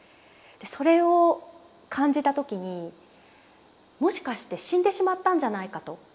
それを感じた時にもしかして死んでしまったんじゃないかと一瞬思ったんです。